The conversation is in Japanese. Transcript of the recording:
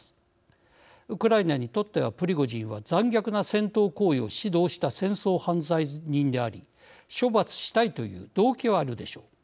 ウクライナにとってはプリゴジンは残虐な戦闘行為を指導した戦争犯罪人であり処罰したいという動機はあるでしょう。